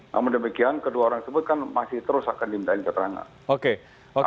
namun demikian kedua orang tersebut kan masih terus akan dimintain keterangan